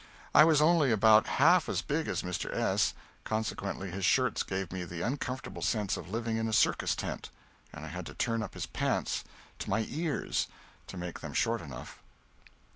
I was only about half as big as Mr. S., consequently his shirts gave me the uncomfortable sense of living in a circus tent, and I had to turn up his pants to my ears to make them short enough.